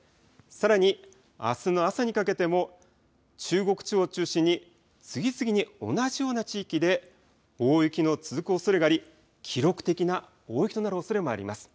さらにあすの朝にかけても中国地方を中心に次々に同じような地域で大雪の続くおそれがあり記録的な大雪となるおそれもあります。